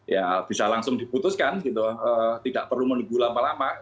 ya bisa langsung diputuskan gitu tidak perlu menunggu lama lama